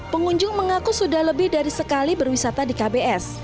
pengunjung mengaku sudah lebih dari sekali berwisata di kbs